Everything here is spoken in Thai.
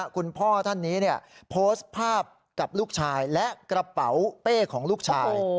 คุณพ่อท่านนี้โพสต์ภาพกับลูกชายและกระเป๋าเป้ของลูกชาย